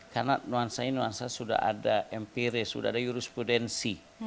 karena nuansanya nuansanya sudah ada empiris sudah ada jurisprudensi